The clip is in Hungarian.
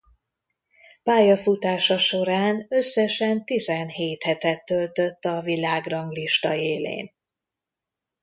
Pályafutása során összesen tizenhét hetet töltött a világranglista élén.